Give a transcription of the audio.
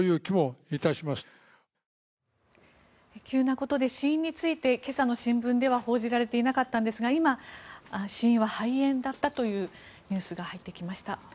急なことで死因について今朝の新聞では報じられていなかったんですが今、死因は肺炎だったというニュースが入ってきました。